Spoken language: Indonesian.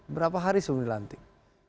berapa hari sebelum dilantik